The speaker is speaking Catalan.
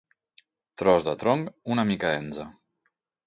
Tros de tronc una mica enze.